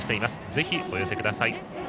ぜひ、お寄せください。